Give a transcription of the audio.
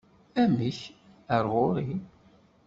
Amek, ar ɣuri?